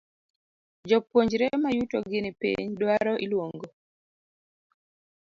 Jopuonjre mayuto gi ni piny dwaro iluongo